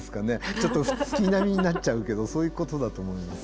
ちょっと月並みになっちゃうけどそういうことだと思います。